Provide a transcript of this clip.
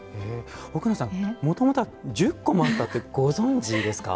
奥野さん、もともとは１０個もあったってご存じですか。